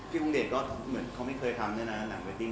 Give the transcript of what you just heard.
พี่คงเดชก็เหมือนมันไม่เคยทำเนี่ยนะหลังเวอร์ดิ้ง